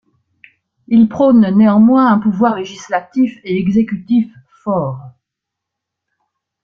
Il prône néanmoins un pouvoir législatif et exécutif fort.